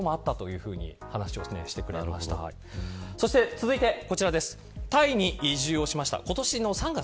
続いてこちらです。